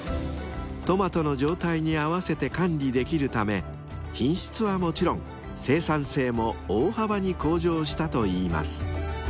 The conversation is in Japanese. ［トマトの状態に合わせて管理できるため品質はもちろん生産性も大幅に向上したと言います］